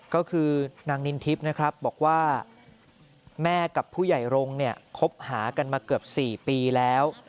ก็คือนางนินทิพย์นะครับบอกว่าแม่กับผู้ใหญ่รงค์เนี่ยคบหากันมาเกือบ๔ปีแล้ว